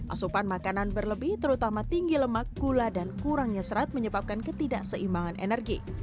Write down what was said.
asupan makanan berlebih terutama tinggi lemak gula dan kurangnya serat menyebabkan ketidakseimbangan energi